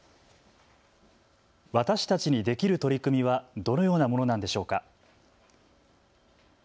私たちにできる取り組みはどのようなものなのでしょうか。